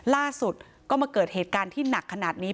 ล่าสุดก็มาเกิดเหตุการณ์ที่หนักขนาดนี้